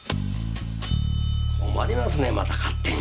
困りますねまた勝手に。